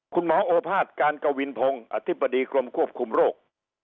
โอภาษการกวินพงศ์อธิบดีกรมควบคุมโรค